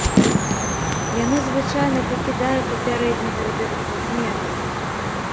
Яно звычайна пакідае папярэдні вердыкт без зменаў.